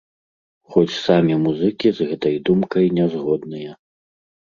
Хоць самі музыкі з гэтай думкай не згодныя.